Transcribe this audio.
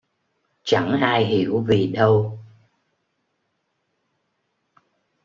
Chẳng ai hiểu vì đâu